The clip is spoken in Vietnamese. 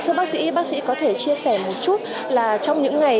thưa bác sĩ bác sĩ có thể chia sẻ một chút là trong những ngày